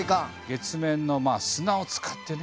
月面の砂を使ってね